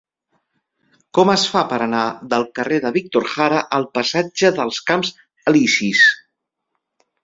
Com es fa per anar del carrer de Víctor Jara al passatge dels Camps Elisis?